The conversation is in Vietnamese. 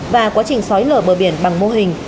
và quá trình xói lở bờ biển bằng mô hình